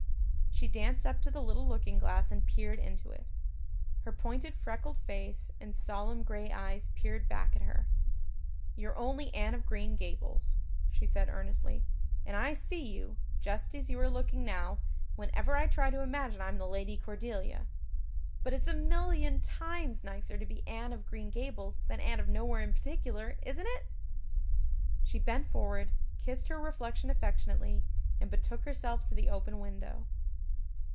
She danced up to the little looking glass and peered into it. Her pointed freckled face and solemn gray eyes peered back at her. "You're only Anne of Green Gables," she said earnestly, "and I see you, just as you are looking now, whenever I try to imagine I'm the Lady Cordelia. But it's a million times nicer to be Anne of Green Gables than Anne of nowhere in particular, isn't it?" She bent forward, kissed her reflection affectionately, and betook herself to the open window.